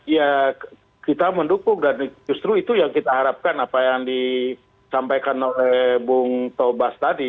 ya kita mendukung dan justru itu yang kita harapkan apa yang disampaikan oleh bung tobas tadi